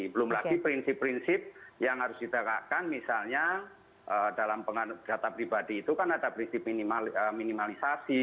belum lagi prinsip prinsip yang harus ditegakkan misalnya dalam data pribadi itu kan ada prinsip minimalisasi